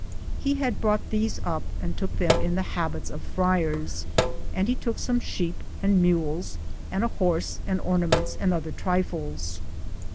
He had brought these up and took them in the habits of friars, and he took some sheep and mules and a horse and ornaments and other trifles.